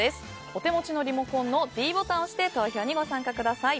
お手持ちのリモコンのｄボタンを押して投票にご参加ください。